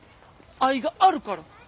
愛があるから。